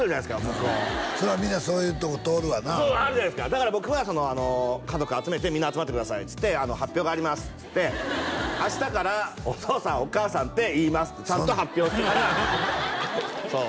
向こうそれはみんなそういうとこ通るわなあるじゃないですかだから僕は家族集めてみんな集まってくださいっつって発表がありますっつって「明日からお父さんお母さんって言います」ってちゃんと発表してからそう